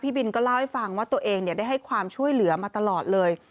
บินก็เล่าให้ฟังว่าตัวเองได้ให้ความช่วยเหลือมาตลอดเลย